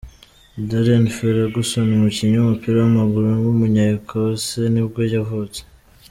Darren Ferguson, umukinnyi w’umupira w’amaguru w’umunya Ecosse nibwo yavutse.